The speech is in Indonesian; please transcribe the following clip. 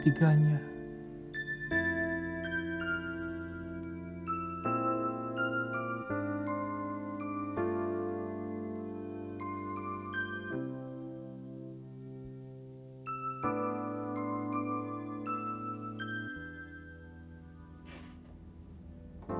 aku sangat mencintai ketiganya